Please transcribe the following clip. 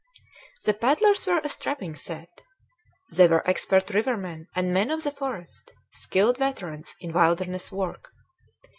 The paddlers were a strapping set. They were expert rivermen and men of the forest, skilled veterans in wilderness work.